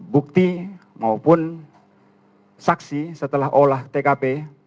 bukti maupun saksi setelah olah tkp